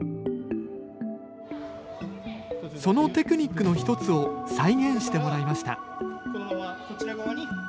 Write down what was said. そのテクニックの１つを再現してもらいました。